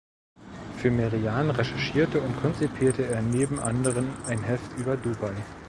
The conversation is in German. Für Merian recherchierte und konzipierte er neben anderen ein Heft über Dubai.